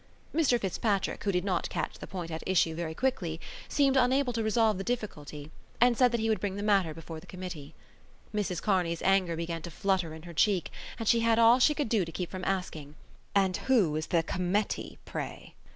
Mr Fitzpatrick, who did not catch the point at issue very quickly, seemed unable to resolve the difficulty and said that he would bring the matter before the Committee. Mrs Kearney's anger began to flutter in her cheek and she had all she could do to keep from asking: "And who is the Cometty pray?"